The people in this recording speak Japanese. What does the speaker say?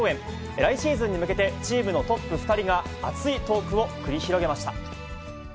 来シーズンに向けて、チームのトップ２人が熱いトークを繰り広げました。